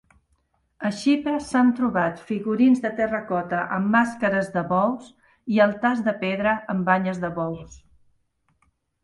A Xipre s'han trobat figurins de terracota amb màscares de bous i altars de pedra amb banyes de bous.